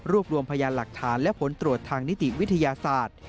รวมรวมพยานหลักฐานและผลตรวจทางนิติวิทยาศาสตร์